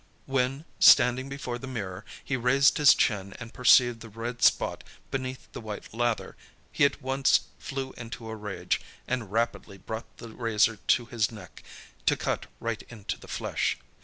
When, standing before the mirror, he raised his chin and perceived the red spot beneath the white lather, he at once flew into a rage, and rapidly brought the razor to his neck, to cut right into the flesh.